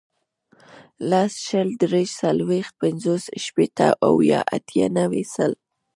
لس, شل, دېرش, څلوېښت, پنځوس, شپېته, اویا, اتیا, نوي, سل